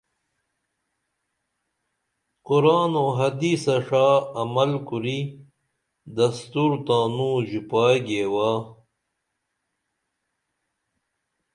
قرآن او حدیثہ ݜا عمل کُری دستور تانوں ژوپائی گیوا